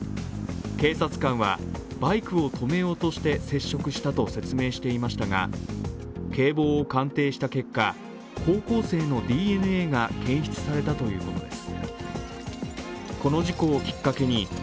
警察官はバイクを止めようとして接触したと説明していましたが警棒を鑑定した結果、高校生のＤＮＡが検出されたということです。